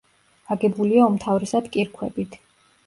აგებულია უმთავრესად კირქვებით.